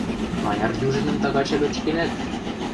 Маняр дюжиным тагачы лӧчкенӓт?